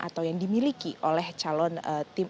atau yang dimiliki oleh calon tim